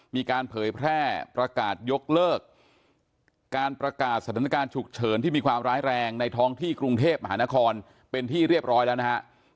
เผยแพร่ประกาศยกเลิกการประกาศสถานการณ์ฉุกเฉินที่มีความร้ายแรงในท้องที่กรุงเทพมหานครเป็นที่เรียบร้อยแล้วนะฮะ